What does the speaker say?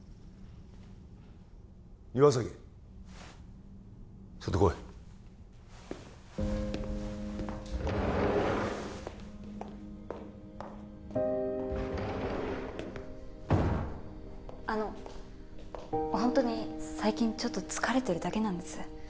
岩崎ちょっと来いあのホントに最近ちょっと疲れてるだけなんです